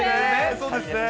そうですね。